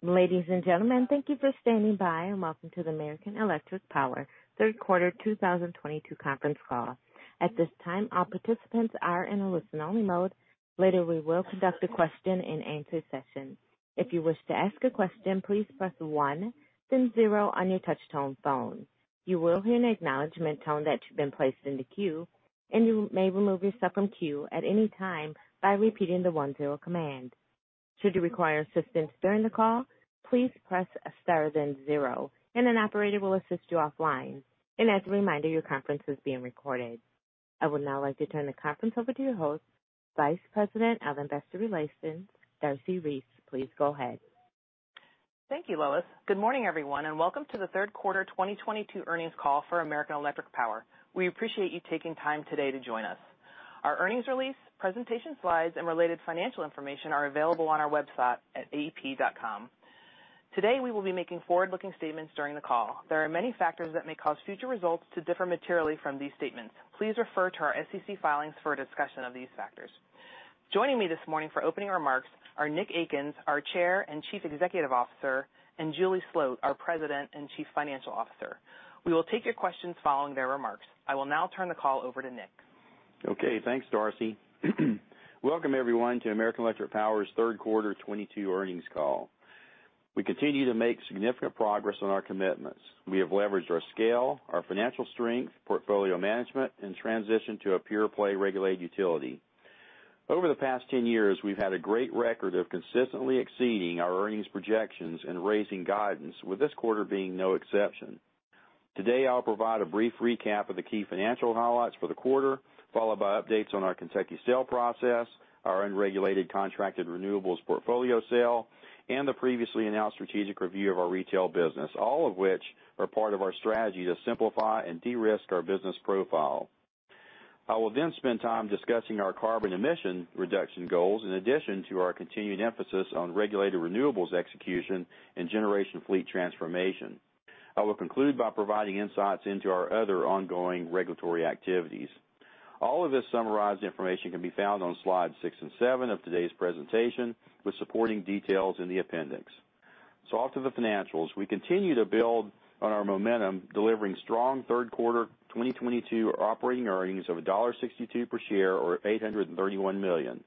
Ladies and gentlemen, thank you for standing by, and welcome to the American Electric Power Third Quarter 2022 Conference Call. At this time, all participants are in a listen-only mode. Later, we will conduct a question-and-answer session. If you wish to ask a question, please press one, then zero on your touch-tone phone. You will hear an acknowledgment tone that you've been placed in the queue, and you may remove yourself from queue at any time by repeating the one-zero command. Should you require assistance during the call, please press star, then zero, and an operator will assist you offline. As a reminder, your conference is being recorded. I would now like to turn the conference over to your host, Vice President of Investor Relations, Darcy Reese. Please go ahead. Thank you, Lois. Good morning, everyone, and welcome to the Third Quarter 2022 Earnings Call for American Electric Power. We appreciate you taking time today to join us. Our earnings release, presentation slides, and related financial information are available on our website at aep.com. Today, we will be making forward-looking statements during the call. There are many factors that may cause future results to differ materially from these statements. Please refer to our SEC filings for a discussion of these factors. Joining me this morning for opening remarks are Nick Akins, our Chair and Chief Executive Officer, and Julie Sloat, our President and Chief Financial Officer. We will take your questions following their remarks. I will now turn the call over to Nick. Okay, thanks, Darcy. Welcome, everyone, to American Electric Power's Third Quarter 2022 Earnings Call. We continue to make significant progress on our commitments. We have leveraged our scale, our financial strength, portfolio management, and transition to a pure-play regulated utility. Over the past 10 years, we've had a great record of consistently exceeding our earnings projections and raising guidance, with this quarter being no exception. Today, I'll provide a brief recap of the key financial highlights for the quarter, followed by updates on our Kentucky sale process, our unregulated contracted renewables portfolio sale, and the previously announced strategic review of our retail business, all of which are part of our strategy to simplify and de-risk our business profile. I will then spend time discussing our carbon emission reduction goals, in addition to our continuing emphasis on regulated renewables execution and generation fleet transformation. I will conclude by providing insights into our other ongoing regulatory activities. All of this summarized information can be found on slides six and seven of today's presentation, with supporting details in the appendix. Off to the financials. We continue to build on our momentum, delivering strong third quarter 2022 operating earnings of $1.62 per share or $831 million.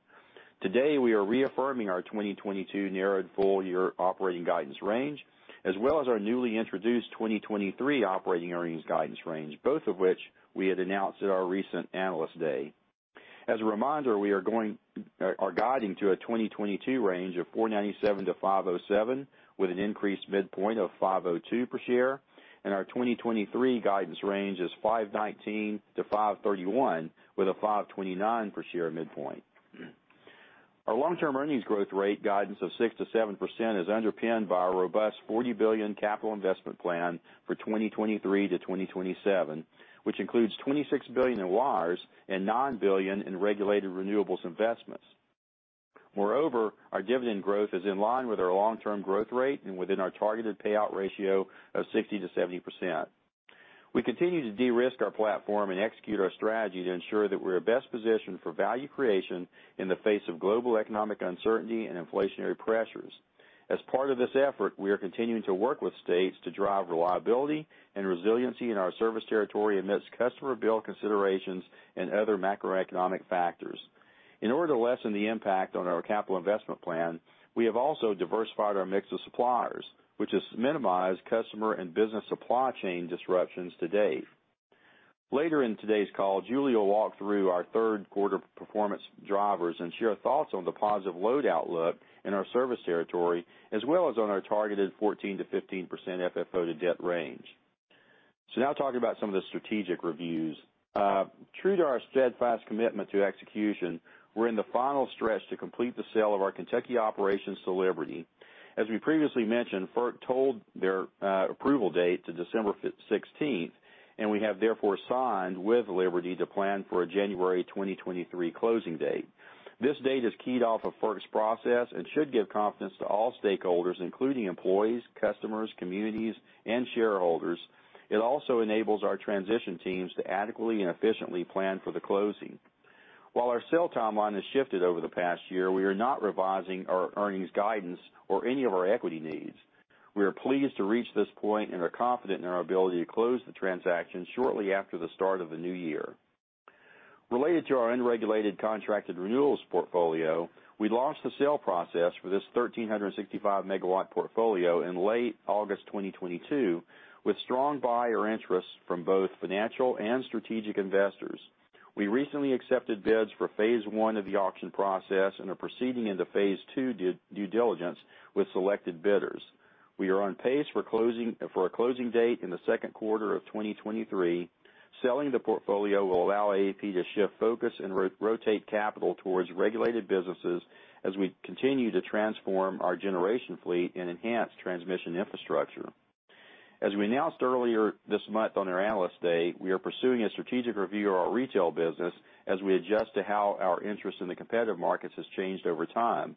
Today, we are reaffirming our 2022 narrowed full-year operating guidance range, as well as our newly introduced 2023 operating earnings guidance range, both of which we had announced at our recent Analyst Day. As a reminder, we are guiding to a 2022 range of $4.97-$5.07, with an increased midpoint of $5.02 per share, and our 2023 guidance range is $5.19-$5.31, with a $5.29 per share midpoint. Our long-term earnings growth rate guidance of 6%-7% is underpinned by our robust $40 billion capital investment plan for 2023-2027, which includes $26 billion in wires and $9 billion in regulated renewables investments. Moreover, our dividend growth is in line with our long-term growth rate and within our targeted payout ratio of 60%-70%. We continue to de-risk our platform and execute our strategy to ensure that we're best positioned for value creation in the face of global economic uncertainty and inflationary pressures. As part of this effort, we are continuing to work with states to drive reliability and resiliency in our service territory amidst customer bill considerations and other macroeconomic factors. In order to lessen the impact on our capital investment plan, we have also diversified our mix of suppliers, which has minimized customer and business supply chain disruptions to date. Later in today's call, Julie will walk through our third quarter performance drivers and share thoughts on the positive load outlook in our service territory, as well as on our targeted 14%-15% FFO-to-debt range. Now talking about some of the strategic reviews. True to our steadfast commitment to execution, we're in the final stretch to complete the sale of our Kentucky operations to Liberty. As we previously mentioned, FERC tolled their approval date to December 16th, and we have therefore signed with Liberty to plan for a January 2023 closing date. This date is keyed off of FERC's process and should give confidence to all stakeholders, including employees, customers, communities, and shareholders. It also enables our transition teams to adequately and efficiently plan for the closing. While our sale timeline has shifted over the past year, we are not revising our earnings guidance or any of our equity needs. We are pleased to reach this point and are confident in our ability to close the transaction shortly after the start of the new year. Related to our unregulated contracted renewals portfolio, we launched the sale process for this 1,365-MW portfolio in late August 2022, with strong buyer interest from both financial and strategic investors. We recently accepted bids for phase one of the auction process and are proceeding into phase two due diligence with selected bidders. We are on pace for a closing date in the second quarter of 2023. Selling the portfolio will allow AEP to shift focus and rotate capital towards regulated businesses as we continue to transform our generation fleet and enhance transmission infrastructure. As we announced earlier this month on our Analyst Day, we are pursuing a strategic review of our retail business as we adjust to how our interest in the competitive markets has changed over time.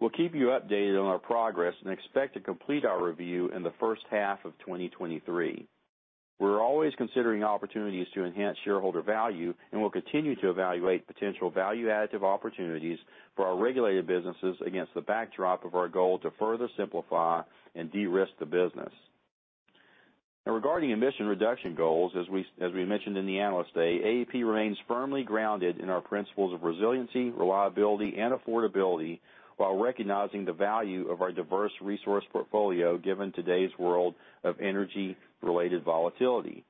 We'll keep you updated on our progress and expect to complete our review in the first half of 2023. We're always considering opportunities to enhance shareholder value, and we'll continue to evaluate potential value-additive opportunities for our regulated businesses against the backdrop of our goal to further simplify and de-risk the business. Now regarding emission reduction goals, as we mentioned in the Analyst Day, AEP remains firmly grounded in our principles of resiliency, reliability, and affordability while recognizing the value of our diverse resource portfolio given today's world of energy-related volatility.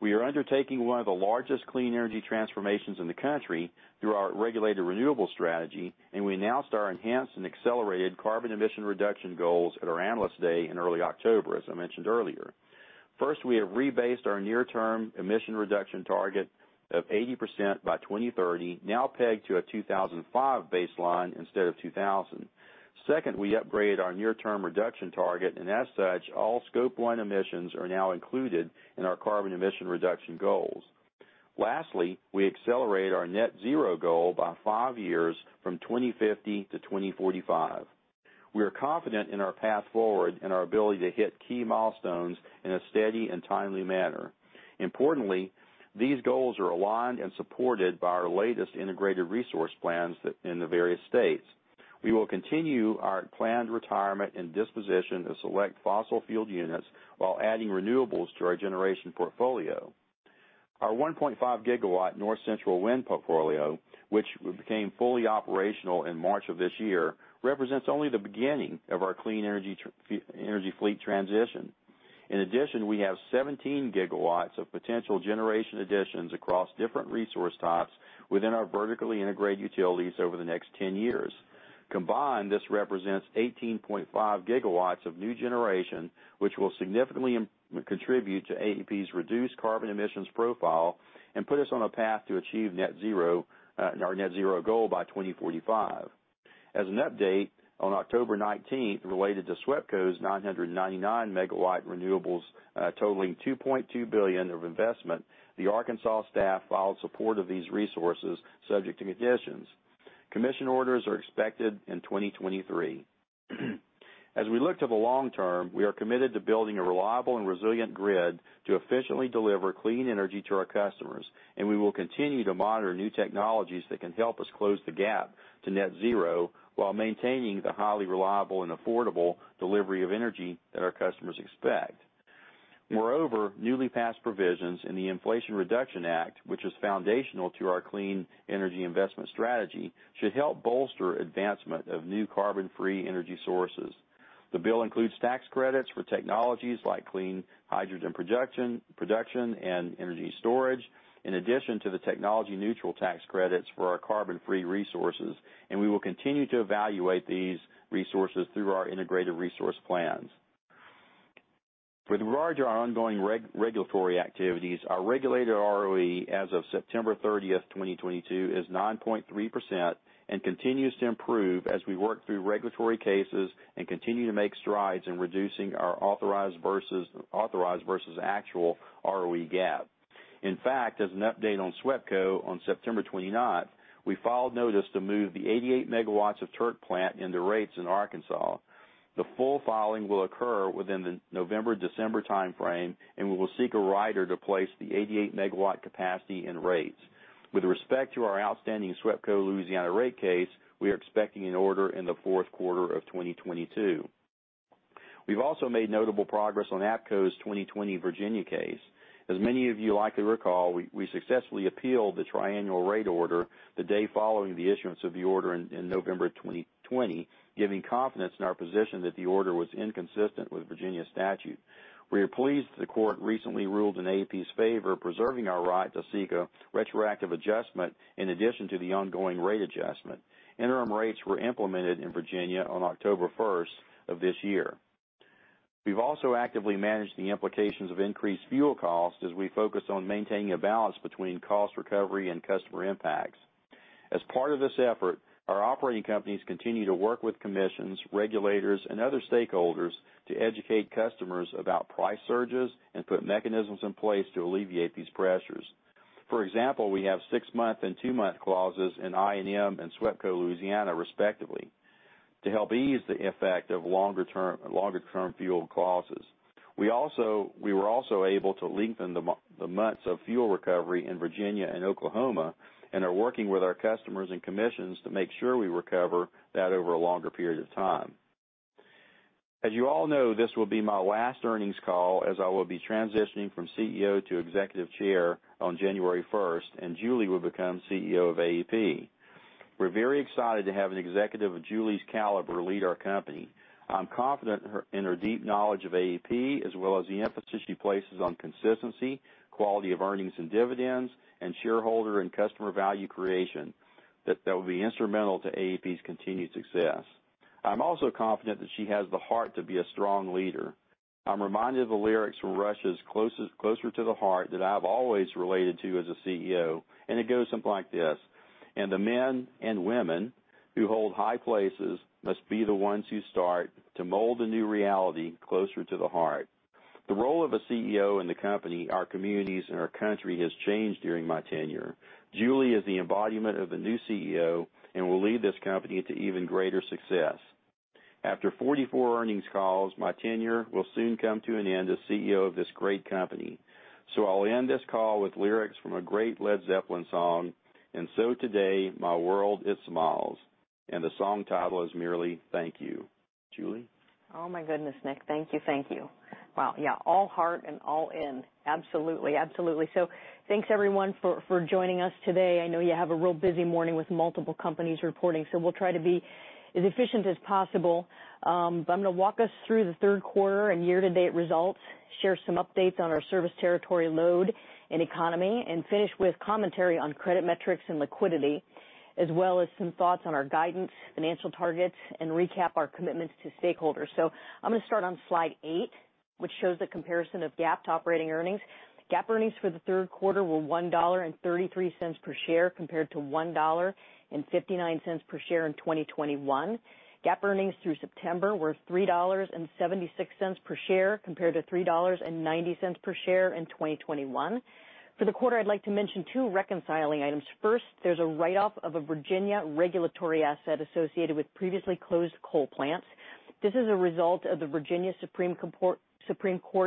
We are undertaking one of the largest clean energy transformations in the country through our regulated renewable strategy, and we announced our enhanced and accelerated carbon emission reduction goals at our Analyst Day in early October, as I mentioned earlier. First, we have rebased our near-term emission reduction target of 80% by 2030, now pegged to a 2005 baseline instead of 2000. Second, we upgraded our near-term reduction target, and as such, all Scope 1 emissions are now included in our carbon emission reduction goals. Lastly, we accelerate our net zero goal by five years from 2050 to 2045. We are confident in our path forward and our ability to hit key milestones in a steady and timely manner. Importantly, these goals are aligned and supported by our latest integrated resource plans that in the various states. We will continue our planned retirement and disposition of select fossil fuel units while adding renewables to our generation portfolio. Our 1.5-gigawatt North Central wind portfolio, which became fully operational in March of this year, represents only the beginning of our clean energy fleet transition. In addition, we have 17 gigawatts of potential generation additions across different resource types within our vertically integrated utilities over the next 10 years. Combined, this represents 18.5 gigawatts of new generation, which will significantly contribute to AEP's reduced carbon emissions profile and put us on a path to achieve net zero, our net zero goal by 2045. As an update, on October 19, related to SWEPCO's 999-megawatt renewables, totaling $2.2 billion of investment, the Arkansas staff filed support of these resources subject to conditions. Commission orders are expected in 2023. As we look to the long term, we are committed to building a reliable and resilient grid to efficiently deliver clean energy to our customers, and we will continue to monitor new technologies that can help us close the gap to net zero while maintaining the highly reliable and affordable delivery of energy that our customers expect. Moreover, newly passed provisions in the Inflation Reduction Act, which is foundational to our clean energy investment strategy, should help bolster advancement of new carbon-free energy sources. The bill includes tax credits for technologies like clean hydrogen production and energy storage, in addition to the technology-neutral tax credits for our carbon-free resources, and we will continue to evaluate these resources through our integrated resource plans. With regard to our ongoing regulatory activities, our regulated ROE as of September 30th, 2022, is 9.3% and continues to improve as we work through regulatory cases and continue to make strides in reducing our authorized versus actual ROE gap. In fact, as an update on SWEPCO on September 29th, we filed notice to move the 88 megawatts of Turk Plant into rates in Arkansas. The full filing will occur within the November-December timeframe, and we will seek a rider to place the 88-megawatt capacity in rates. With respect to our outstanding SWEPCO Louisiana rate case, we are expecting an order in the fourth quarter of 2022. We've also made notable progress on APCO's 2020 Virginia case. As many of you likely recall, we successfully appealed the triennial rate order the day following the issuance of the order in November 2020, giving confidence in our position that the order was inconsistent with Virginia statute. We are pleased the court recently ruled in AEP's favor, preserving our right to seek a retroactive adjustment in addition to the ongoing rate adjustment. Interim rates were implemented in Virginia on October 1st of this year. We've also actively managed the implications of increased fuel costs as we focus on maintaining a balance between cost recovery and customer impacts. As part of this effort, our operating companies continue to work with commissions, regulators, and other stakeholders to educate customers about price surges and put mechanisms in place to alleviate these pressures. For example, we have six-month and two-month clauses in I&M and SWEPCO Louisiana respectively to help ease the effect of longer-term fuel clauses. We also were able to lengthen the months of fuel recovery in Virginia and Oklahoma and are working with our customers and commissions to make sure we recover that over a longer period of time. As you all know, this will be my last earnings call, as I will be transitioning from CEO to Executive Chair on January first, and Julie will become CEO of AEP. We're very excited to have an executive of Julie's caliber lead our company. I'm confident in her, in her deep knowledge of AEP, as well as the emphasis she places on consistency, quality of earnings and dividends, and shareholder and customer value creation, that they'll be instrumental to AEP's continued success. I'm also confident that she has the heart to be a strong leader. I'm reminded of the lyrics from Rush's Closer to the Heart that I've always related to as a CEO, and it goes something like this: "And the men and women who hold high places must be the ones who start to mold a new reality closer to the heart." The role of a CEO in the company, our communities, and our country has changed during my tenure. Julie is the embodiment of the new CEO and will lead this company to even greater success. After 44 earnings calls, my tenure will soon come to an end as CEO of this great company. I'll end this call with lyrics from a great Led Zeppelin song, "And so today my world it smiles," and the song title is merely Thank You. Julie? Oh, my goodness, Nick. Thank you. Thank you. Wow. Yeah, all heart and all in. Absolutely. Absolutely. Thanks, everyone for joining us today. I know you have a real busy morning with multiple companies reporting, so we'll try to be as efficient as possible. But I'm gonna walk us through the third quarter and year-to-date results, share some updates on our service territory load and economy, and finish with commentary on credit metrics and liquidity, as well as some thoughts on our guidance, financial targets, and recap our commitments to stakeholders. I'm gonna start on slide eight, which shows the comparison of GAAP to operating earnings. GAAP earnings for the third quarter were $1.33 per share, compared to $1.59 per share in 2021. GAAP earnings through September were $3.76 per share compared to $3.90 per share in 2021. For the quarter, I'd like to mention two reconciling items. First, there's a write-off of a Virginia regulatory asset associated with previously closed coal plants. This is a result of the Virginia Supreme Court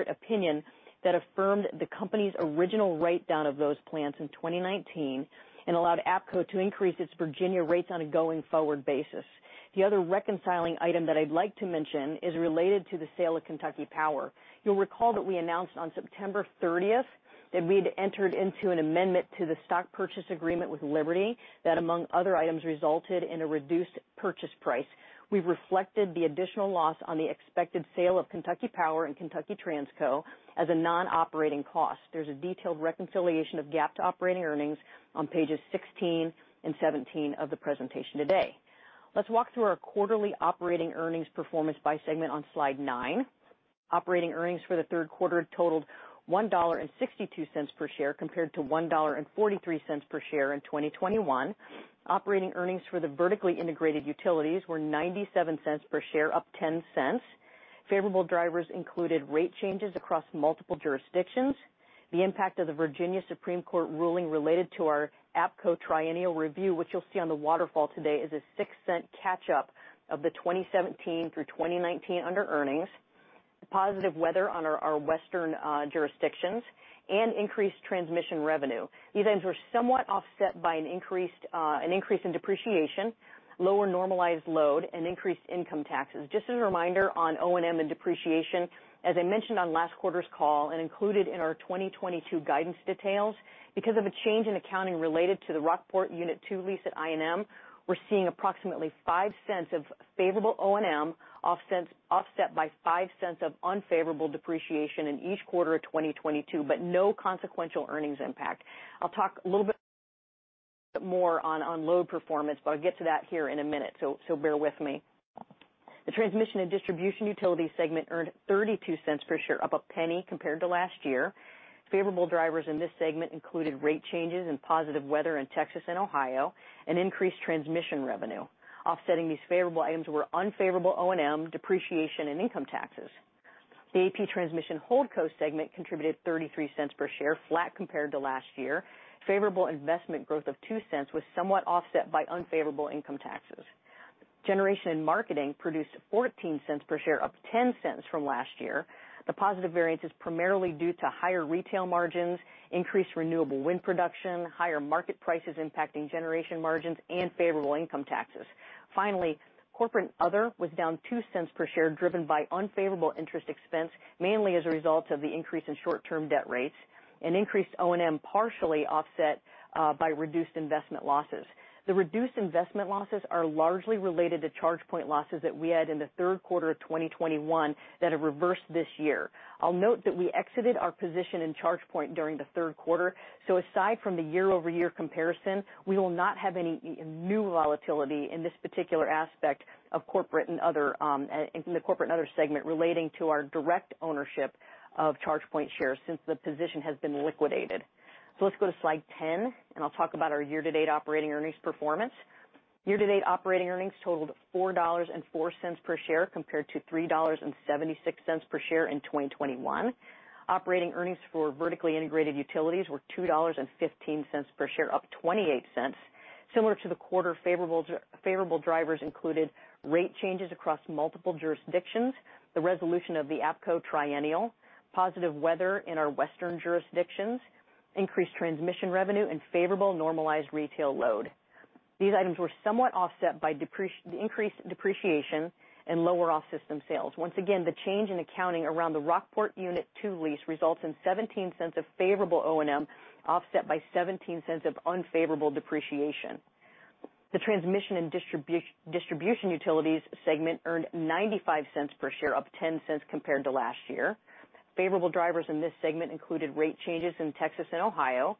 opinion that affirmed the company's original write-down of those plants in 2019 and allowed APCO to increase its Virginia rates on a going-forward basis. The other reconciling item that I'd like to mention is related to the sale of Kentucky Power. You'll recall that we announced on September 30 that we'd entered into an amendment to the stock purchase agreement with Liberty that, among other items, resulted in a reduced purchase price. We reflected the additional loss on the expected sale of Kentucky Power and AEP Kentucky Transco as a non-operating cost. There's a detailed reconciliation of GAAP to operating earnings on pages 16 and 17 of the presentation today. Let's walk through our quarterly operating earnings performance by segment on slide nine. Operating earnings for the third quarter totaled $1.62 per share compared to $1.43 per share in 2021. Operating earnings for the vertically integrated utilities were $0.97 per share, up 10 cents. Favorable drivers included rate changes across multiple jurisdictions, the impact of the Supreme Court of Virginia ruling related to our APCO triennial review, which you'll see on the waterfall today is a $0.06 catch-up of the 2017 through 2019 under earnings, positive weather on our western jurisdictions, and increased transmission revenue. These items were somewhat offset by an increase in depreciation, lower normalized load, and increased income taxes. Just as a reminder on O&M and depreciation, as I mentioned on last quarter's call and included in our 2022 guidance details, because of a change in accounting related to the Rockport Unit Two lease at I&M, we're seeing approximately $0.05 of favorable O&M offset by $0.05 of unfavorable depreciation in each quarter of 2022, but no consequential earnings impact. I'll talk a little bit more on load performance, but I'll get to that here in a minute, so bear with me. The transmission and distribution utility segment earned $0.32 per share, up $0.01 compared to last year. Favorable drivers in this segment included rate changes and positive weather in Texas and Ohio and increased transmission revenue. Offsetting these favorable items were unfavorable O&M, depreciation, and income taxes. The AEP Transmission Holdco segment contributed $0.33 per share, flat compared to last year. Favorable investment growth of $0.02 was somewhat offset by unfavorable income taxes. Generation and marketing produced $0.14 per share, up $0.10 from last year. The positive variance is primarily due to higher retail margins, increased renewable wind production, higher market prices impacting generation margins, and favorable income taxes. Finally, corporate and other was down $0.02 per share, driven by unfavorable interest expense, mainly as a result of the increase in short-term debt rates and increased O&M, partially offset by reduced investment losses. The reduced investment losses are largely related to ChargePoint losses that we had in the third quarter of 2021 that have reversed this year. I'll note that we exited our position in ChargePoint during the third quarter, so aside from the year-over-year comparison, we will not have any new volatility in this particular aspect of corporate and other in the corporate and other segment relating to our direct ownership of ChargePoint shares since the position has been liquidated. Let's go to slide 10, and I'll talk about our year-to-date operating earnings performance. Year-to-date operating earnings totaled $4.04 per share compared to $3.76 per share in 2021. Operating earnings for vertically integrated utilities were $2.15 per share, up $0.28. Similar to the quarter, favorable drivers included rate changes across multiple jurisdictions, the resolution of the APCO triennial, positive weather in our western jurisdictions, increased transmission revenue, and favorable normalized retail load. These items were somewhat offset by increased depreciation and lower off-system sales. Once again, the change in accounting around the Rockport Unit Two lease results in $0.17 of favorable O&M, offset by $0.17 of unfavorable depreciation. The transmission and distribution utilities segment earned $0.95 per share, up $0.10 compared to last year. Favorable drivers in this segment included rate changes in Texas and Ohio,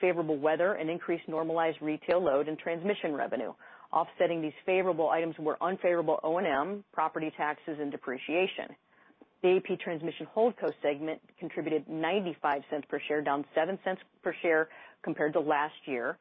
favorable weather, and increased normalized retail load and transmission revenue. Offsetting these favorable items were unfavorable O&M, property taxes, and depreciation. The AEP Transmission Holdco segment contributed $0.95 per share, down $0.07 per share compared to last year.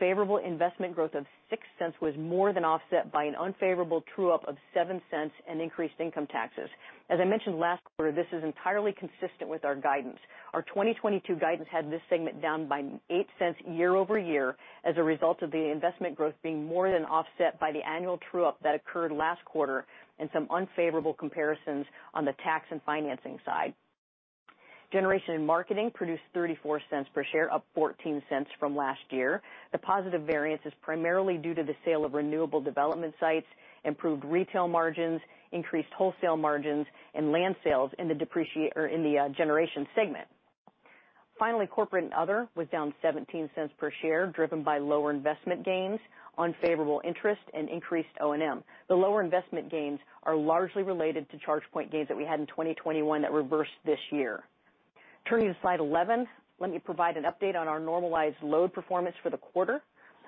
Favorable investment growth of $0.06 was more than offset by an unfavorable true-up of $0.07 and increased income taxes. As I mentioned last quarter, this is entirely consistent with our guidance. Our 2022 guidance had this segment down by $0.08 year over year as a result of the investment growth being more than offset by the annual true-up that occurred last quarter and some unfavorable comparisons on the tax and financing side. Generation and marketing produced $0.34 per share, up $0.14 from last year. The positive variance is primarily due to the sale of renewable development sites, improved retail margins, increased wholesale margins, and land sales in the generation segment. Finally, corporate and other was down $0.17 per share, driven by lower investment gains, unfavorable interest, and increased O&M. The lower investment gains are largely related to ChargePoint gains that we had in 2021 that reversed this year. Turning to slide 11, let me provide an update on our normalized load performance for the quarter.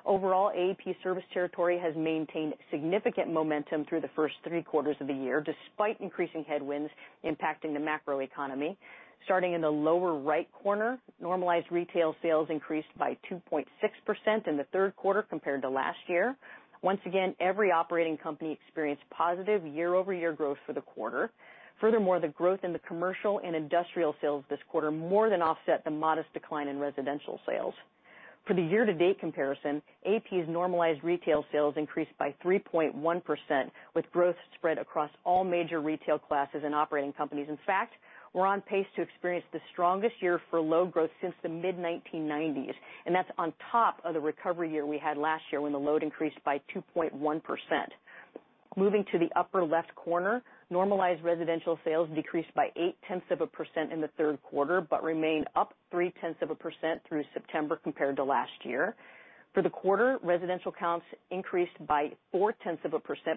Overall, AEP service territory has maintained significant momentum through the first three quarters of the year, despite increasing headwinds impacting the macro economy. Starting in the lower right corner, normalized retail sales increased by 2.6% in the third quarter compared to last year. Once again, every operating company experienced positive year-over-year growth for the quarter. Furthermore, the growth in the commercial and industrial sales this quarter more than offset the modest decline in residential sales. For the year-to-date comparison, AEP's normalized retail sales increased by 3.1%, with growth spread across all major retail classes and operating companies. In fact, we're on pace to experience the strongest year for load growth since the mid-1990s, and that's on top of the recovery year we had last year when the load increased by 2.1%. Moving to the upper left corner, normalized residential sales decreased by 0.8% in the third quarter, but remained up 0.3% through September compared to last year. For the quarter, residential accounts increased by 0.4%,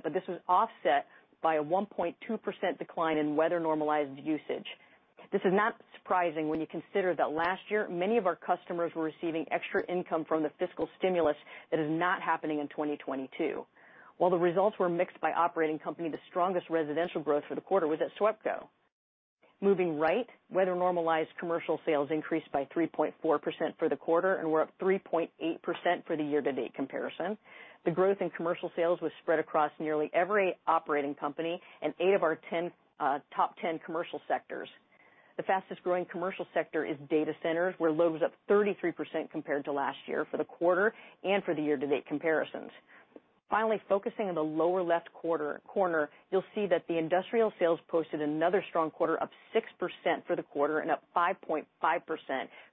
but this was offset by a 1.2% decline in weather-normalized usage. This is not surprising when you consider that last year, many of our customers were receiving extra income from the fiscal stimulus that is not happening in 2022. While the results were mixed by operating company, the strongest residential growth for the quarter was at SWEPCO. Moving right, weather-normalized commercial sales increased by 3.4% for the quarter and were up 3.8% for the year-to-date comparison. The growth in commercial sales was spread across nearly every operating company and 8 of our 10 top 10 commercial sectors. The fastest-growing commercial sector is data centers, where load was up 33% compared to last year for the quarter and for the year-to-date comparisons. Finally, focusing on the lower left corner, you'll see that the industrial sales posted another strong quarter, up 6% for the quarter and up 5.5%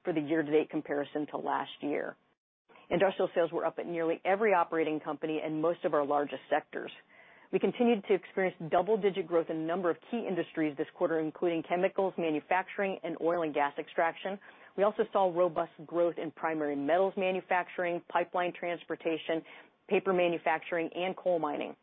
for the year-to-date comparison to last year. Industrial sales were up at nearly every operating company and most of our largest sectors. We continued to experience double-digit growth in a number of key industries this quarter, including chemicals, manufacturing, and oil and gas extraction. We also saw robust growth in primary metals manufacturing, pipeline transportation, paper manufacturing, and coal mining.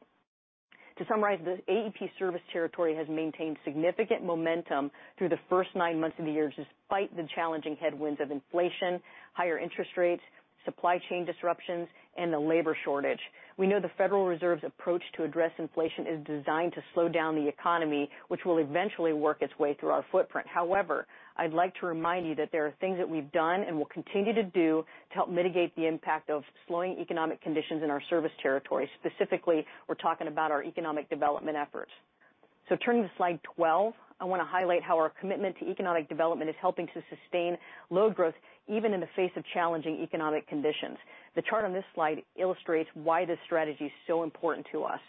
To summarize, the AEP service territory has maintained significant momentum through the first nine months of the year, despite the challenging headwinds of inflation, higher interest rates, supply chain disruptions, and the labor shortage. We know the Federal Reserve's approach to address inflation is designed to slow down the economy, which will eventually work its way through our footprint. However, I'd like to remind you that there are things that we've done and will continue to do to help mitigate the impact of slowing economic conditions in our service territory. Specifically, we're talking about our economic development efforts. Turning to slide 12, I want to highlight how our commitment to economic development is helping to sustain load growth, even in the face of challenging economic conditions. The chart on this slide illustrates why this strategy is so important to us.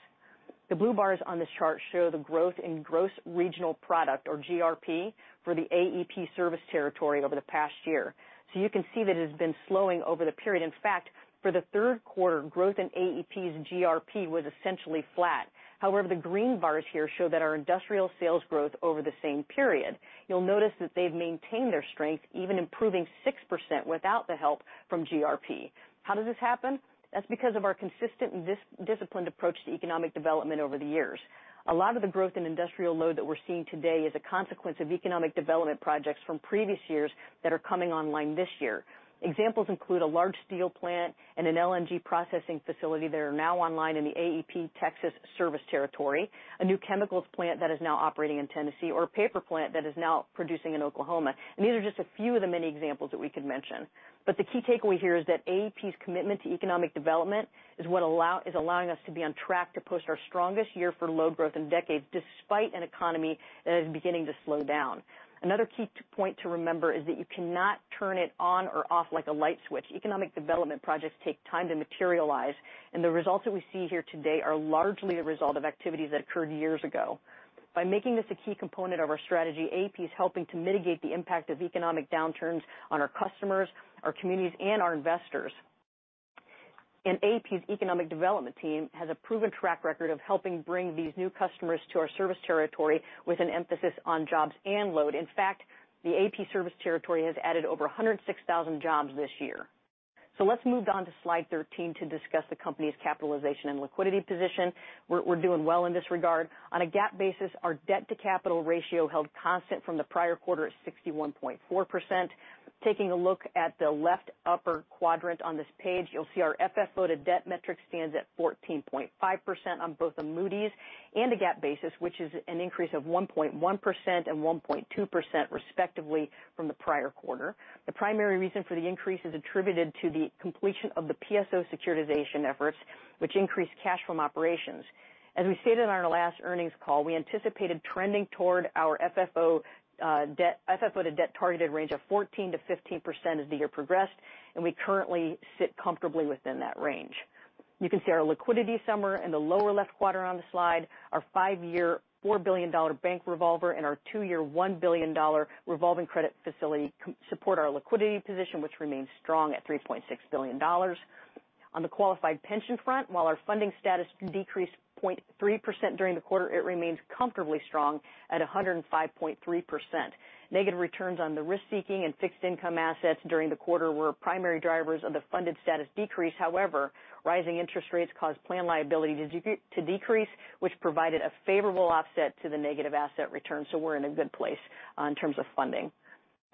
The blue bars on this chart show the growth in gross regional product, or GRP, for the AEP service territory over the past year. You can see that it has been slowing over the period. In fact, for the third quarter, growth in AEP's GRP was essentially flat. However, the green bars here show that our industrial sales growth over the same period. You'll notice that they've maintained their strength, even improving 6% without the help from GRP. How does this happen? That's because of our consistent disciplined approach to economic development over the years. A lot of the growth in industrial load that we're seeing today is a consequence of economic development projects from previous years that are coming online this year. Examples include a large steel plant and an LNG processing facility that are now online in the AEP Texas service territory, a new chemicals plant that is now operating in Tennessee, or a paper plant that is now producing in Oklahoma. These are just a few of the many examples that we could mention. The key takeaway here is that AEP's commitment to economic development is what is allowing us to be on track to post our strongest year for load growth in decades, despite an economy that is beginning to slow down. Another key point to remember is that you cannot turn it on or off like a light switch. Economic development projects take time to materialize, and the results that we see here today are largely the result of activities that occurred years ago. By making this a key component of our strategy, AEP is helping to mitigate the impact of economic downturns on our customers, our communities, and our investors. AEP's economic development team has a proven track record of helping bring these new customers to our service territory with an emphasis on jobs and load. In fact, the AEP service territory has added over 106,000 jobs this year. Let's move on to slide 13 to discuss the company's capitalization and liquidity position. We're doing well in this regard. On a GAAP basis, our debt-to-capital ratio held constant from the prior quarter at 61.4%. Taking a look at the left upper quadrant on this page, you'll see our FFO-to-debt metric stands at 14.5% on both a Moody's and a GAAP basis, which is an increase of 1.1% and 1.2% respectively from the prior quarter. The primary reason for the increase is attributed to the completion of the PSO securitization efforts, which increased cash from operations. As we stated on our last earnings call, we anticipated trending toward our FFO-to-debt targeted range of 14%-15% as the year progressed, and we currently sit comfortably within that range. You can see our liquidity summary in the lower left quadrant on the slide. Our five-year $4 billion bank revolver and our two-year $1 billion revolving credit facility support our liquidity position, which remains strong at $3.6 billion. On the qualified pension front, while our funding status decreased 0.3% during the quarter, it remains comfortably strong at 105.3%. Negative returns on the risk-seeking and fixed income assets during the quarter were primary drivers of the funded status decrease. However, rising interest rates caused plan liability to decrease, which provided a favorable offset to the negative asset return. We're in a good place in terms of funding.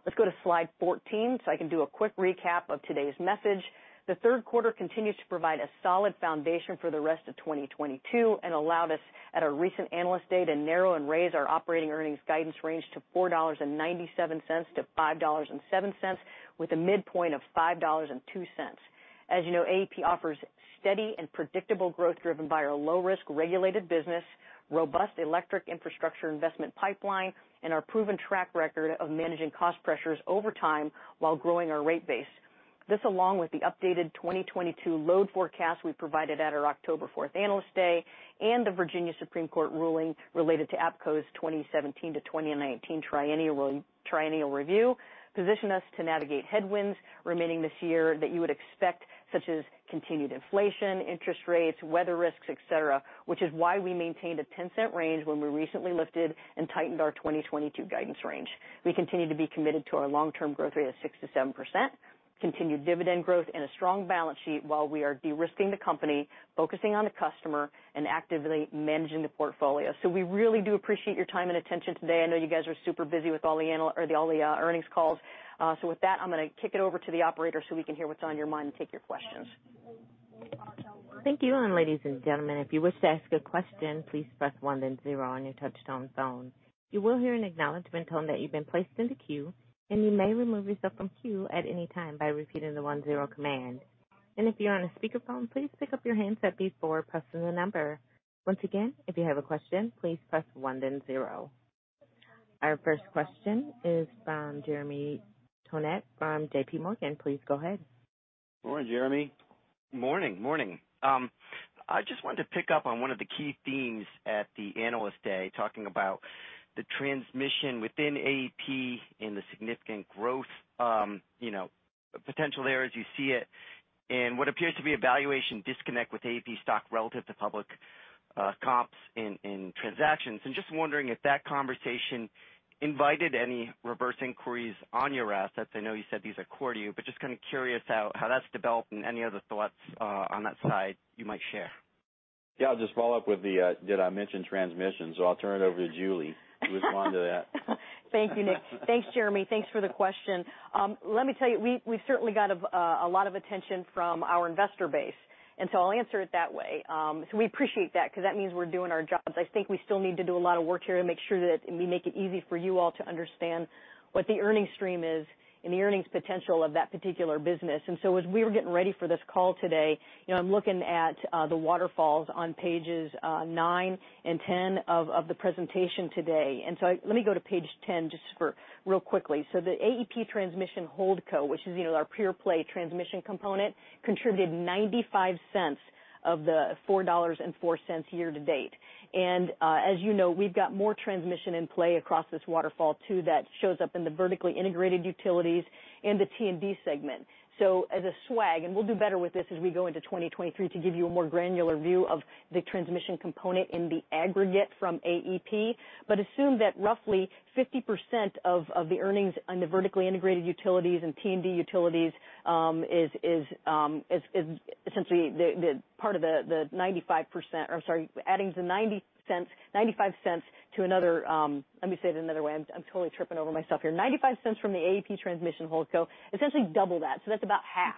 Let's go to slide 14 so I can do a quick recap of today's message. The third quarter continues to provide a solid foundation for the rest of 2022 and allowed us at our recent Analyst Day to narrow and raise our operating earnings guidance range to $4.97-$5.07 with a midpoint of $5.02. As you know, AEP offers steady and predictable growth driven by our low risk regulated business, robust electric infrastructure investment pipeline, and our proven track record of managing cost pressures over time while growing our rate base. This, along with the updated 2022 load forecast we provided at our October 4th Analyst Day and the Supreme Court of Virginia ruling related to APCO's 2017 to 2019 triennial review, position us to navigate headwinds remaining this year that you would expect, such as continued inflation, interest rates, weather risks, et cetera, which is why we maintained a $0.10 range when we recently lifted and tightened our 2022 guidance range. We continue to be committed to our long-term growth rate of 6%-7%, continued dividend growth and a strong balance sheet while we are de-risking the company, focusing on the customer, and actively managing the portfolio. We really do appreciate your time and attention today. I know you guys are super busy with all the earnings calls. With that, I'm gonna kick it over to the operator so we can hear what's on your mind and take your questions. Thank you. Ladies and gentlemen, if you wish to ask a question, please press one then zero on your touchtone phone. You will hear an acknowledgment tone that you've been placed in the queue, and you may remove yourself from queue at any time by repeating the one-zero command. If you're on a speakerphone, please pick up your handset before pressing the number. Once again, if you have a question, please press one then zero. Our first question is from Jeremy Tonet from JP Morgan. Please go ahead. Good morning, Jeremy. Morning, morning. I just wanted to pick up on one of the key themes at the Analyst Day, talking about the transmission within AEP and the significant growth, you know, potential there as you see it, and what appears to be a valuation disconnect with AEP stock relative to public comps in transactions. Just wondering if that conversation invited any reverse inquiries on your assets. I know you said these are core to you, but just kind of curious how that's developed and any other thoughts on that side you might share. Yeah, I'll just follow up with the, did I mention transmission? I'll turn it over to Julie to respond to that. Thank you, Nick. Thanks, Jeremy. Thanks for the question. Let me tell you, we've certainly got a lot of attention from our investor base, and so I'll answer it that way. We appreciate that because that means we're doing our jobs. I think we still need to do a lot of work here to make sure that we make it easy for you all to understand what the earnings stream is and the earnings potential of that particular business. As we were getting ready for this call today, you know, I'm looking at the waterfalls on pages nine and 10 of the presentation today. Let me go to page 10 just real quickly. The AEP Transmission Holdco, which is, you know, our pure play transmission component, contributed $0.95 of the $4.04 year to date. As you know, we've got more transmission in play across this waterfall too, that shows up in the vertically integrated utilities in the T&D segment. As a swag, and we'll do better with this as we go into 2023 to give you a more granular view of the transmission component in the aggregate from AEP. Assume that roughly 50% of the earnings on the vertically integrated utilities and T&D utilities is essentially the part of the $0.95, or sorry, adding the $0.90, $0.95 to another. Let me say it another way. I'm totally tripping over myself here. $0.95 from the AEP Transmission Holdco, essentially double that's about half.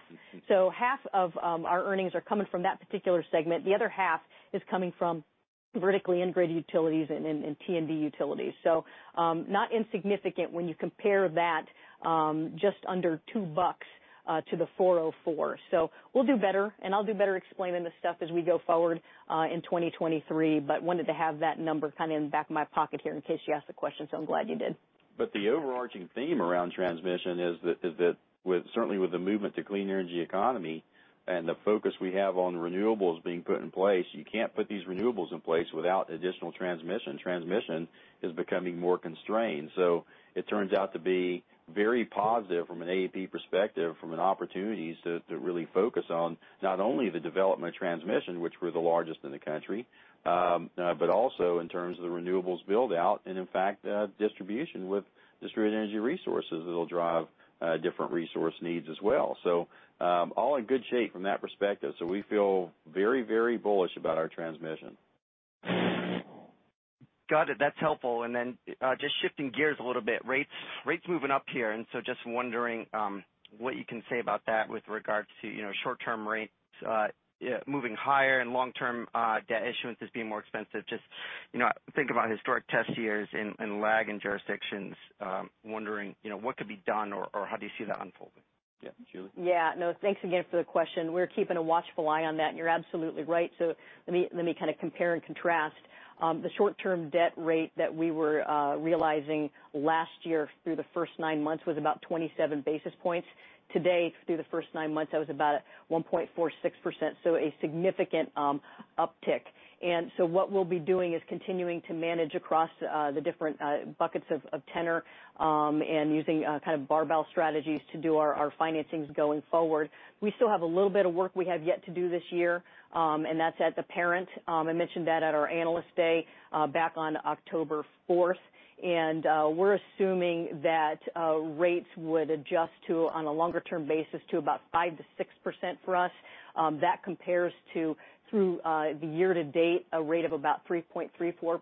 Half of our earnings are coming from that particular segment. The other half is coming from vertically integrated utilities and T&D utilities. Not insignificant when you compare that, just under $2 to the $4.04. We'll do better, and I'll do better explaining this stuff as we go forward in 2023, but wanted to have that number kind of in the back of my pocket here in case you asked the question, I'm glad you did. The overarching theme around transmission is that with certainly with the movement to clean energy economy and the focus we have on renewables being put in place, you can't put these renewables in place without additional transmission. Transmission is becoming more constrained. It turns out to be very positive from an AEP perspective, from an opportunities to really focus on not only the development of transmission, which we're the largest in the country, but also in terms of the renewables build-out and in fact, distribution with distributed energy resources that'll drive different resource needs as well. All in good shape from that perspective. We feel very, very bullish about our transmission. Got it. That's helpful. Just shifting gears a little bit. Rates moving up here, and so just wondering what you can say about that with regards to, you know, short-term rates moving higher and long-term debt issuance as being more expensive. Just, you know, think about historic test years and lag in jurisdictions, wondering, you know, what could be done or how do you see that unfolding? Yeah. Julie? Yeah. No, thanks again for the question. We're keeping a watchful eye on that, and you're absolutely right. Let me kind of compare and contrast. The short-term debt rate that we were realizing last year through the first nine months was about 27 basis points. Today, through the first nine months, that was about 1.46%. A significant uptick. What we'll be doing is continuing to manage across the different buckets of tenor and using kind of barbell strategies to do our financings going forward. We still have a little bit of work we have yet to do this year, and that's at the parent. I mentioned that at our Analyst Day back on October 4th. We're assuming that rates would adjust to, on a longer term basis, to about 5%-6% for us. That compares to, through the year to date, a rate of about 3.34%.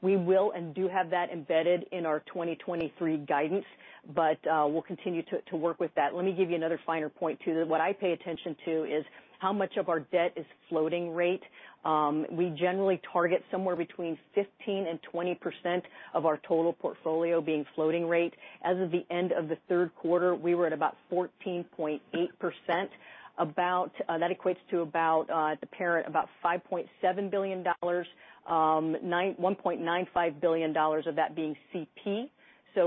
We will and do have that embedded in our 2023 guidance, but we'll continue to work with that. Let me give you another finer point to that. What I pay attention to is how much of our debt is floating rate. We generally target somewhere between 15% and 20% of our total portfolio being floating rate. As of the end of the third quarter, we were at about 14.8%, about. That equates to about, at the parent, about $5.7 billion, $1.95 billion of that being CP.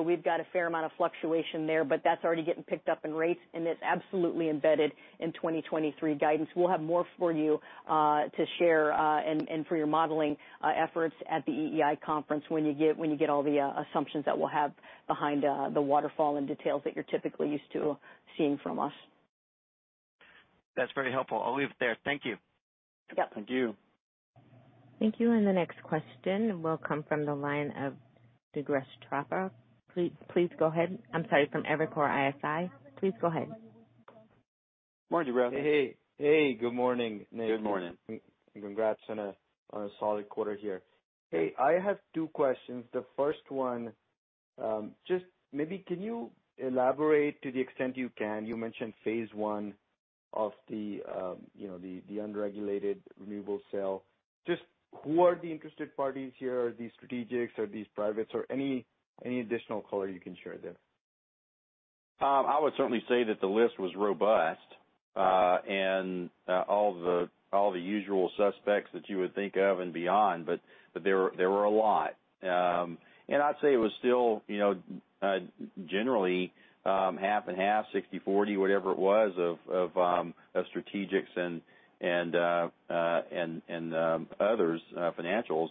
We've got a fair amount of fluctuation there, but that's already getting picked up in rates, and it's absolutely embedded in 2023 guidance. We'll have more for you to share, and for your modeling efforts at the EEI conference when you get all the assumptions that we'll have behind the waterfall and details that you're typically used to seeing from us. That's very helpful. I'll leave it there. Thank you. Yep. Thank you. Thank you. The next question will come from the line of Durgesh Chopra. Please go ahead. I'm sorry, from Evercore ISI. Please go ahead. Morning, Durgesh. Hey. Hey, good morning, Nick. Good morning. Congrats on a solid quarter here. Hey, I have two questions. The first one, just maybe can you elaborate to the extent you can? You mentioned Phase I of the unregulated renewable sale. Just who are the interested parties here? Are these strategics? Are these privates? Or any additional color you can share there? I would certainly say that the list was robust, and all the usual suspects that you would think of and beyond, but there were a lot. I'd say it was still, you know, generally, 50/50, 60/40, whatever it was of strategics and others, financials.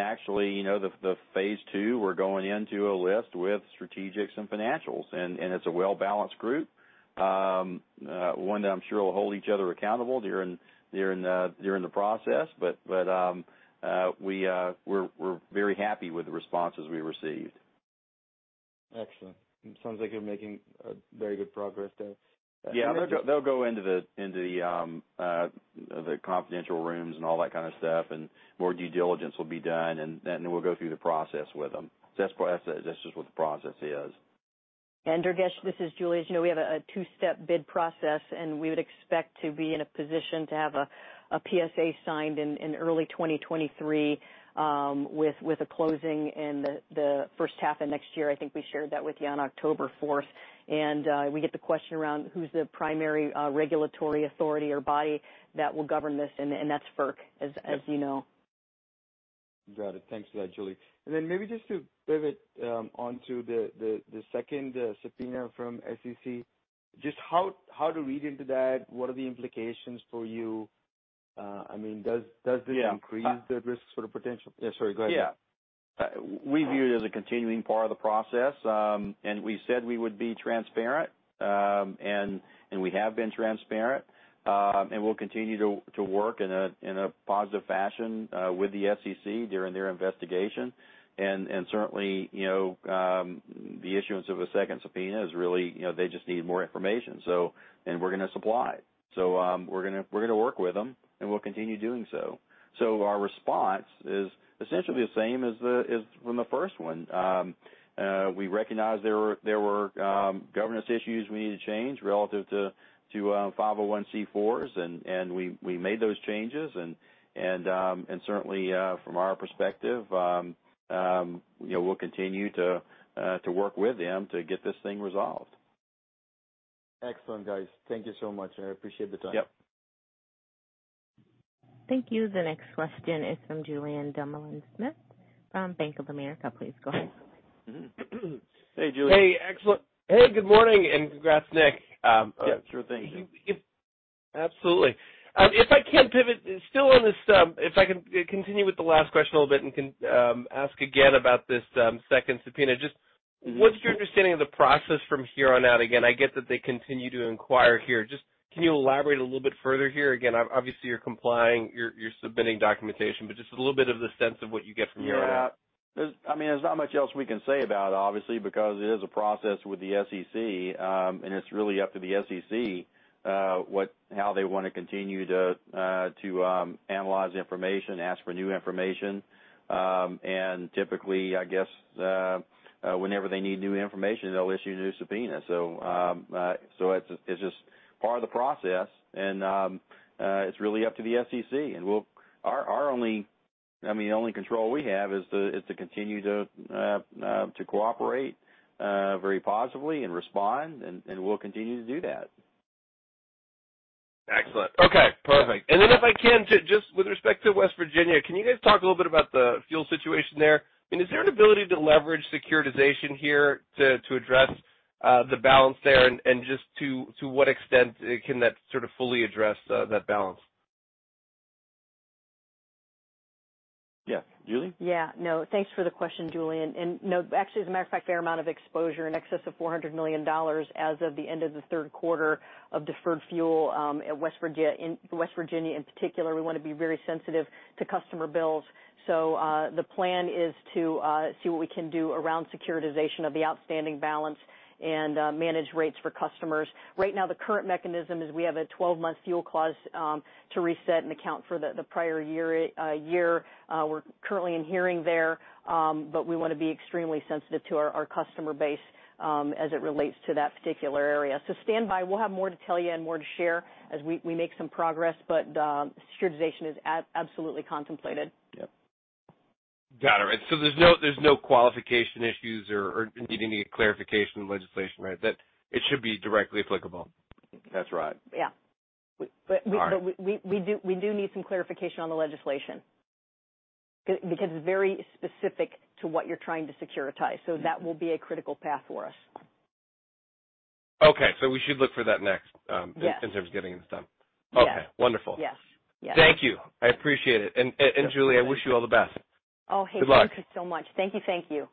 Actually, you know, the Phase II, we're going into a list with strategics and financials, and it's a well-balanced group. One that I'm sure will hold each other accountable during the process. We're very happy with the responses we received. Excellent. It sounds like you're making, very good progress there. Yeah. They'll go into the confidential rooms and all that kind of stuff, and more due diligence will be done, and then we'll go through the process with them. That's just what the process is. Durgesh, this is Julie. As you know, we have a two-step bid process, and we would expect to be in a position to have a PSA signed in early 2023, with a closing in the first half of next year. I think we shared that with you on October 4th. We get the question around who's the primary regulatory authority or body that will govern this, and that's FERC, as you know. Got it. Thanks for that, Julie. Maybe just to pivot on to the second subpoena from SEC, just how to read into that? What are the implications for you? I mean, does this- Yeah. Increase the risks for the potential? Yeah, sorry. Go ahead. Yeah. We view it as a continuing part of the process. We said we would be transparent. We have been transparent. We'll continue to work in a positive fashion with the SEC during their investigation. Certainly, you know, the issuance of a second subpoena is really, you know, they just need more information. We're gonna supply it. We're gonna work with them, and we'll continue doing so. Our response is essentially the same as from the first one. We recognize there were governance issues we need to change relative to 501(c)(4)s, and we made those changes. Certainly, from our perspective, you know, we'll continue to work with them to get this thing resolved. Excellent, guys. Thank you so much. I appreciate the time. Yep. Thank you. The next question is from Julien Dumoulin-Smith from Bank of America. Please go ahead. Hey, Julien. Hey, excellent. Hey, good morning, and congrats, Nick. Yeah, sure thing. Absolutely. If I can pivot still on this, if I can continue with the last question a little bit and can ask again about this second subpoena. Just what's your understanding of the process from here on out? Again, I get that they continue to inquire here. Just can you elaborate a little bit further here? Again, obviously you're complying, you're submitting documentation, but just a little bit of the sense of what you get from here on out. Yeah. I mean, there's not much else we can say about it, obviously, because it is a process with the SEC, and it's really up to the SEC how they wanna continue to analyze information, ask for new information. Typically, I guess, whenever they need new information, they'll issue a new subpoena. It's just part of the process, and it's really up to the SEC. Our only, I mean, the only control we have is to continue to cooperate very positively and respond, and we'll continue to do that. Excellent. Okay, perfect. Then if I can, just with respect to West Virginia, can you guys talk a little bit about the fuel situation there? I mean, is there an ability to leverage securitization here to address the balance there and just to what extent can that sort of fully address that balance? Yeah. Julie? Yeah. No, thanks for the question, Julien. No, actually, as a matter of fact, fair amount of exposure in excess of $400 million as of the end of the third quarter of deferred fuel at West Virginia in particular, we want to be very sensitive to customer bills. The plan is to see what we can do around securitization of the outstanding balance and manage rates for customers. Right now, the current mechanism is we have a 12-month fuel clause to reset and account for the prior year. We're currently in hearing there, but we want to be extremely sensitive to our customer base as it relates to that particular area. Stand by. We'll have more to tell you and more to share as we make some progress, but securitization is absolutely contemplated. Yeah. Got it. There's no qualification issues or need any clarification on legislation, right? That it should be directly applicable. That's right. Yeah. All right. We do need some clarification on the legislation because it's very specific to what you're trying to securitize. That will be a critical path for us. Okay. We should look for that next. Yes in terms of getting this done. Yes. Okay. Wonderful. Yes. Yes. Thank you. I appreciate it. Julie, I wish you all the best. Oh, hey. Good luck. Thank you so much. Thank you. Thank you.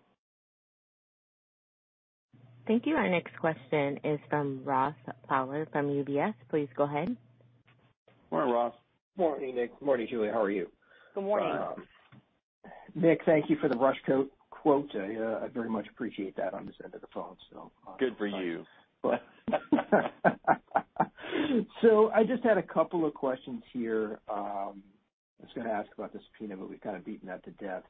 Thank you. Our next question is from Ross Fowler from UBS. Please go ahead. Good morning, Ross. Morning, Nick. Good morning, Julie. How are you? Good morning. Nick, thank you for the Rush quote. I very much appreciate that on this end of the phone. Good for you. I just had a couple of questions here. I was gonna ask about the subpoena, but we've kind of beaten that to death.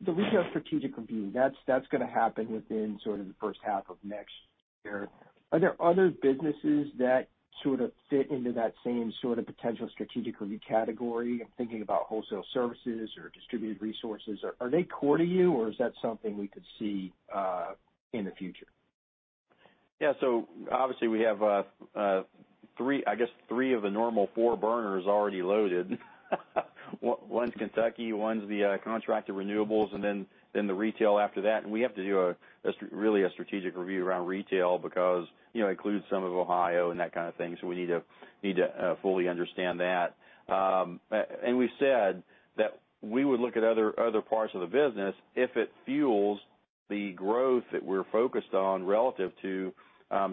The retail strategic review, that's gonna happen within sort of the first half of next year. Are there other businesses that sort of fit into that same sort of potential strategic review category? I'm thinking about wholesale services or distributed resources. Are they core to you, or is that something we could see in the future? Yeah. Obviously, we have three, I guess, of the normal four burners already loaded. One's Kentucky, one's the contracted renewables, and then the retail after that. We have to do really a strategic review around retail because, you know, it includes some of Ohio and that kind of thing. We need to fully understand that. We said that we would look at other parts of the business if it fuels the growth that we're focused on relative to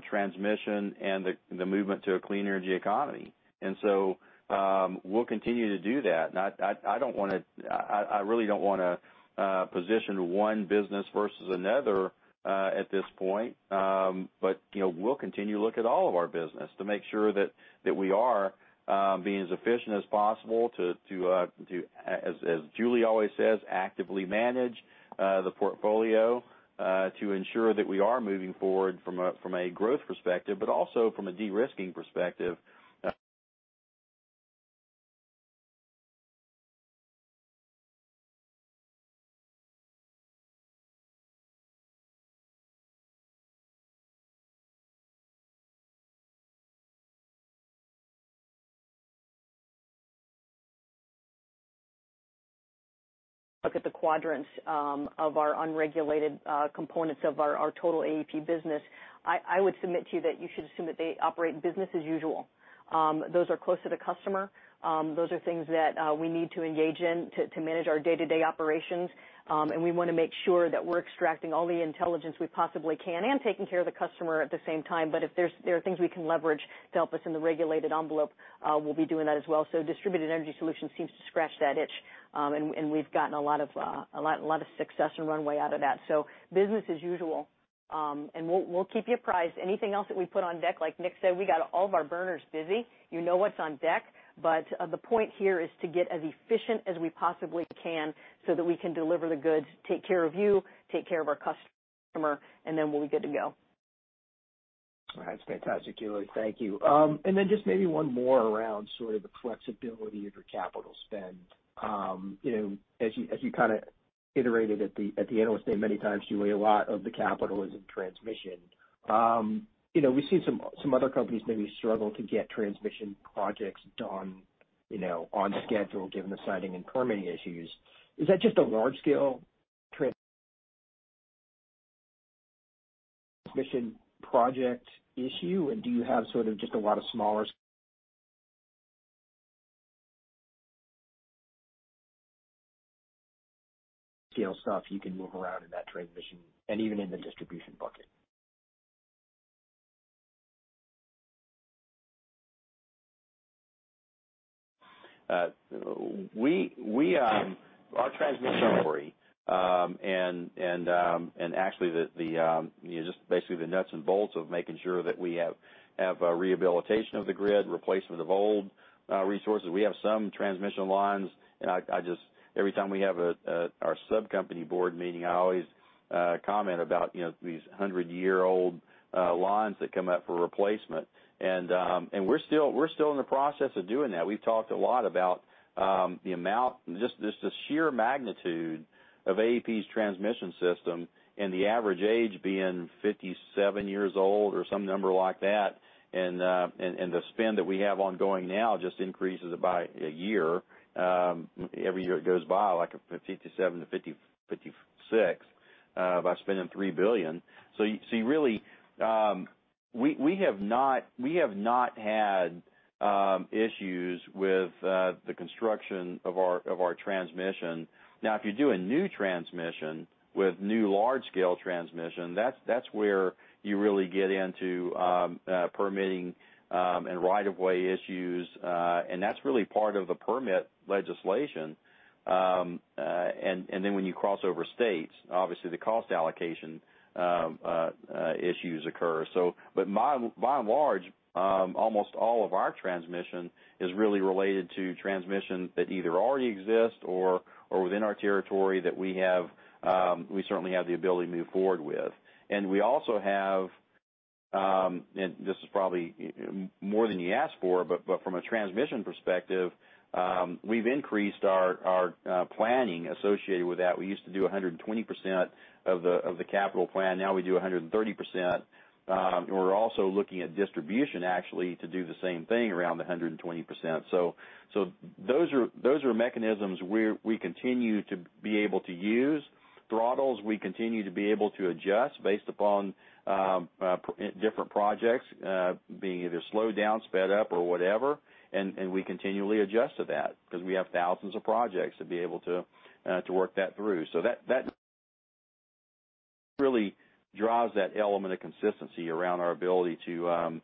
transmission and the movement to a clean energy economy. We'll continue to do that. I really don't wanna position one business versus another at this point. you know, we'll continue to look at all of our business to make sure that we are being as efficient as possible to, as Julie always says, actively manage the portfolio to ensure that we are moving forward from a growth perspective, but also from a de-risking perspective. Look at the quadrants of our unregulated components of our total AEP business. I would submit to you that you should assume that they operate business as usual. Those are close to the customer. Those are things that we need to engage in to manage our day-to-day operations. We want to make sure that we're extracting all the intelligence we possibly can and taking care of the customer at the same time. If there are things we can leverage to help us in the regulated envelope, we'll be doing that as well. Distributed energy solution seems to scratch that itch. We've gotten a lot of success and runway out of that. Business as usual. We'll keep you apprised. Anything else that we put on deck, like Nick said, we got all of our burners busy. You know what's on deck. The point here is to get as efficient as we possibly can so that we can deliver the goods, take care of you, take care of our customer, and then we'll be good to go. That's fantastic, Julie. Thank you. Just maybe one more around sort of the flexibility of your capital spend. You know, as you kind of iterated at the analyst day many times, Julie, a lot of the capital is in transmission. You know, we've seen some other companies maybe struggle to get transmission projects done, you know, on schedule, given the siting and permitting issues. Is that just a large scale transmission project issue? Do you have sort of just a lot of smaller scale stuff you can move around in that transmission and even in the distribution bucket? Our transmission recovery and actually the you know just basically the nuts and bolts of making sure that we have rehabilitation of the grid, replacement of old resources. We have some transmission lines. I just every time we have our sub-company board meeting, I always comment about you know these 100-year-old lines that come up for replacement. We're still in the process of doing that. We've talked a lot about the amount just the sheer magnitude of AEP's transmission system and the average age being 57 years old or some number like that. The spend that we have ongoing now just increases it by a year, every year it goes by, like a 57-56 by spending $3 billion. We have not had issues with the construction of our transmission. If you do a new transmission with new large scale transmission, that's where you really get into permitting and right-of-way issues. That's really part of the permitting legislation. Then when you cross over states, obviously the cost allocation issues occur. By and large, almost all of our transmission is really related to transmission that either already exists or within our territory that we have. We certainly have the ability to move forward with. We also have, and this is probably more than you asked for, but from a transmission perspective, we've increased our planning associated with that. We used to do 120% of the capital plan, now we do 130%. We're also looking at distribution actually to do the same thing around the 120%. Those are mechanisms we're continue to be able to use. Throttles, we continue to be able to adjust based upon different projects being either slowed down, sped up or whatever. We continually adjust to that because we have thousands of projects to be able to work that through. That really draws that element of consistency around our ability to.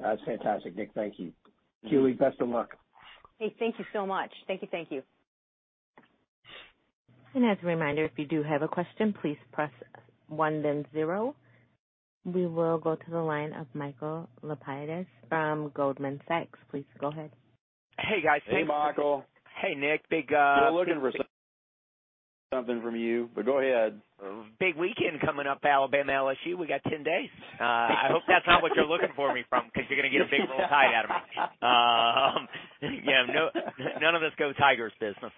That's fantastic, Nick. Thank you. Julie, best of luck. Hey, thank you so much. Thank you. Thank you. As a reminder, if you do have a question, please press one then zero. We will go to the line of Michael Lapides from Goldman Sachs. Please go ahead. Hey, guys. Hey, Michael. Hey, Nick. Big We're looking for something from you, but go ahead. Big weekend coming up, Alabama LSU. We got 10 days. I hope that's not what you're looking for me from, because you're gonna get a big old tie out of me. Yeah. No, none of this go Tigers business.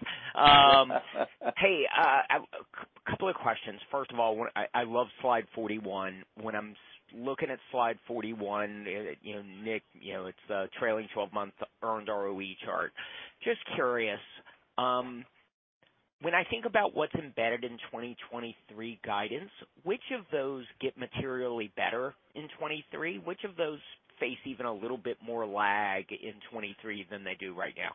Hey, a couple of questions. First of all, I love slide 41. When I'm looking at slide 41, you know, Nick, you know, it's the trailing 12 month earned ROE chart. Just curious, when I think about what's embedded in 2023 guidance, which of those get materially better in 2023? Which of those face even a little bit more lag in 2023 than they do right now?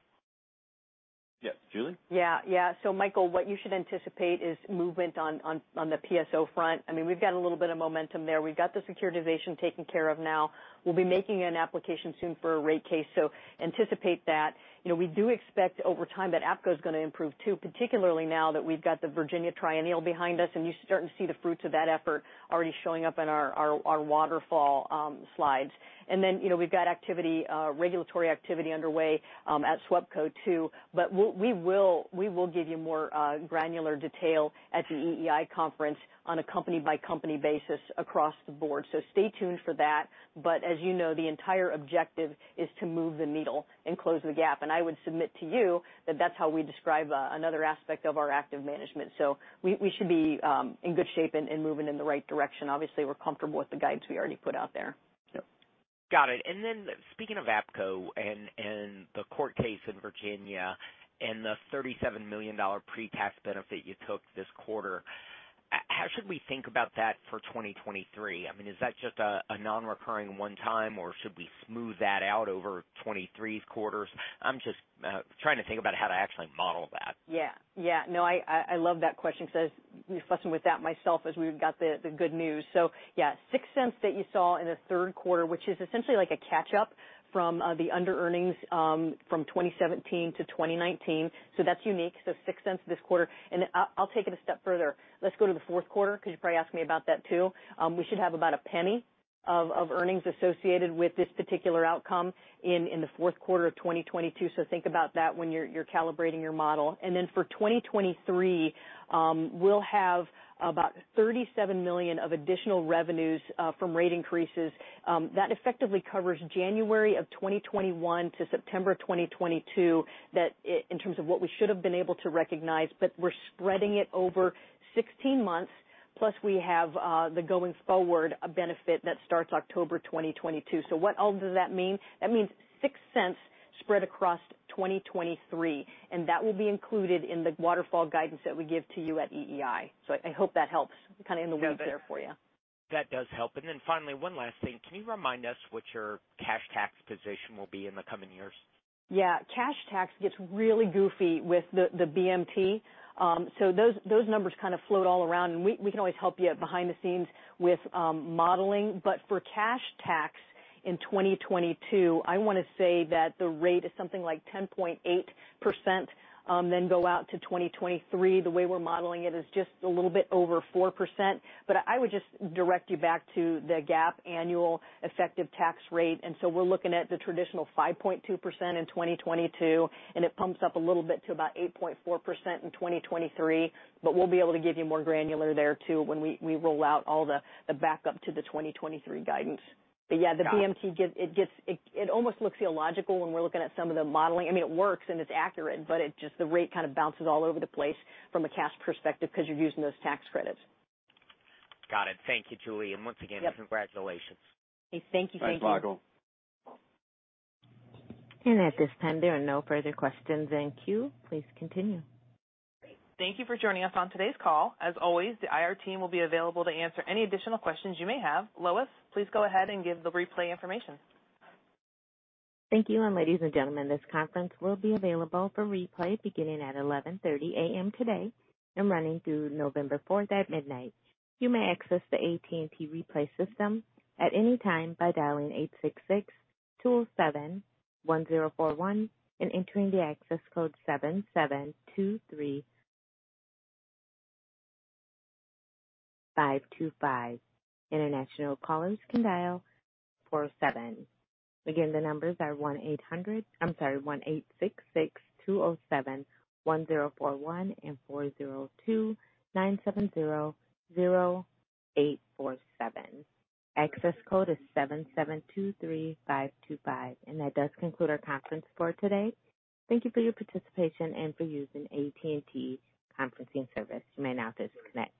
Yeah. Julie. Yeah, yeah. Michael, what you should anticipate is movement on the PSO front. I mean, we've got a little bit of momentum there. We've got the securitization taken care of now. We'll be making an application soon for a rate case. Anticipate that. You know, we do expect over time that APCO is going to improve too, particularly now that we've got the Virginia triennial behind us and you're starting to see the fruits of that effort already showing up in our waterfall slides. Then, you know, we've got activity, regulatory activity underway at SWEPCO too. We will give you more granular detail at the EEI conference on a company by company basis across the board. Stay tuned for that. As you know, the entire objective is to move the needle and close the gap. I would submit to you that that's how we describe another aspect of our active management. We should be in good shape and moving in the right direction. Obviously, we're comfortable with the guidance we already put out there. Yep. Got it. Speaking of APCO and the court case in Virginia and the $37 million pre-tax benefit you took this quarter, how should we think about that for 2023? I mean, is that just a non-recurring one-time, or should we smooth that out over 2023's quarters? I'm just trying to think about how to actually model that. Yeah, yeah. No, I love that question because I was fussing with that myself as we got the good news. $0.06 that you saw in the third quarter, which is essentially like a catch up from the under earnings from 2017 to 2019. That's unique. $0.06 this quarter. I'll take it a step further. Let's go to the fourth quarter because you'll probably ask me about that too. We should have about $0.01 of earnings associated with this particular outcome in the fourth quarter of 2022. Think about that when you're calibrating your model. For 2023, we'll have about $37 million of additional revenues from rate increases. That effectively covers January of 2021 to September of 2022 that in terms of what we should have been able to recognize. We're spreading it over 16 months. Plus we have the going forward benefit that starts October 2022. What all does that mean? That means $0.06 spread across 2023, and that will be included in the waterfall guidance that we give to you at EEI. I hope that helps kind of in the weeds there for you. That does help. Finally, one last thing. Can you remind us what your cash tax position will be in the coming years? Yeah, cash tax gets really goofy with the BMT. So those numbers kind of float all around, and we can always help you behind the scenes with modeling. For cash tax in 2022, I want to say that the rate is something like 10.8%, then go out to 2023. The way we're modeling it is just a little bit over 4%. I would just direct you back to the GAAP annual effective tax rate. We're looking at the traditional 5.2% in 2022, and it pumps up a little bit to about 8.4% in 2023. We'll be able to give you more granular there too when we roll out all the backup to the 2023 guidance. Yeah, the BMT gives it almost looks illogical when we're looking at some of the modeling. I mean, it works and it's accurate, but it just the rate kind of bounces all over the place from a cash perspective because you're using those tax credits. Got it. Thank you, Julie, and once again, congratulations. Thank you. Thank you. Thanks, Michael. At this time, there are no further questions in queue. Please continue. Great. Thank you for joining us on today's call. As always, the IR team will be available to answer any additional questions you may have. Lois, please go ahead and give the replay information. Thank you. Ladies and gentlemen, this conference will be available for replay beginning at 11:30 A.M. today and running through November fourth at midnight. You may access the AT&T replay system at any time by dialing 866-207-1041 and entering the access code 7723525. International callers can dial 402-970-0847. Again, the numbers are 1-866-207-1041 and 402-970-0847. Access code is 7723525. That does conclude our conference for today. Thank you for your participation and for using AT&T conferencing service. You may now disconnect.